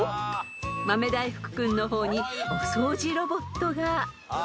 ［豆大福君の方にお掃除ロボットが］